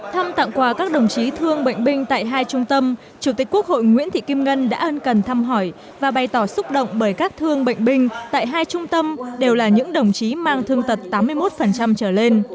thăm tặng quà các đồng chí thương bệnh binh tại hai trung tâm chủ tịch quốc hội nguyễn thị kim ngân đã ân cần thăm hỏi và bày tỏ xúc động bởi các thương bệnh binh tại hai trung tâm đều là những đồng chí mang thương tật tám mươi một trở lên